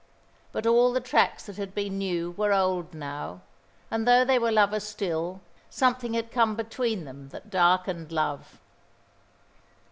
But all the tracks that had been new were old now; and though they were lovers still, something had come between them that darkened love.